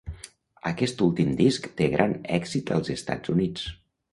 Aquest últim disc té gran èxit als Estats Units.